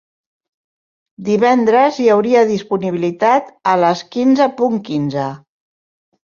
Divendres hi hauria disponibilitat a les quinze punt quinze.